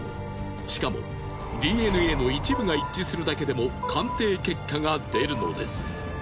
しかもＤＮＡの一部が一致するだけでも鑑定結果が出るのです。